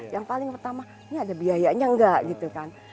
yang paling pertama ini ada biayanya enggak gitu kan